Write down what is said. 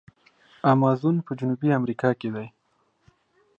امازون په جنوبي امریکا کې دی.